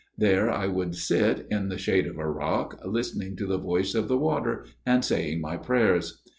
There I would sit in the shade of a rock, listening to the voice of the water, and saying my prayers.